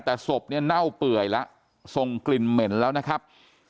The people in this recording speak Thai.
แต่ศพเนี่ยเน่าเปื่อยแล้วส่งกลิ่นเหม็นแล้วนะครับ